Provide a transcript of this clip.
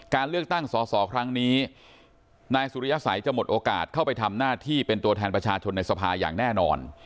การเลือกตั้งสอสอครั้งนี้นายสุริยสัยจะหมดโอกาสเข้าไปทำหน้าที่เป็นตัวแทนประชาชนในสภาอย่างแน่นอน